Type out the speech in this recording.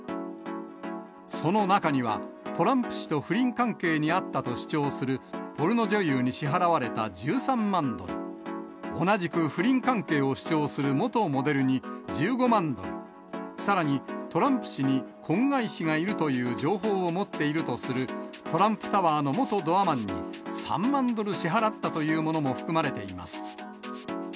その中には、トランプ氏と不倫関係にあったと主張するポルノ女優に支払われた１３万ドル、同じく不倫関係を主張する元モデルに１５万ドル、さらにトランプ氏に、婚外子がいるという情報を持っているとする、トランプタワーの元ドアマンに３万ドル支払ったというものも含まれています。